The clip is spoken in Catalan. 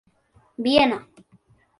Viena.